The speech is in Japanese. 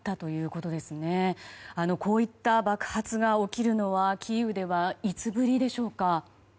こういった爆発が起きるのはキーウではいつぶりでしょうか。